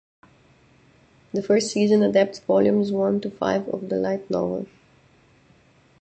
The first season adapts volumes one to five of the light novel.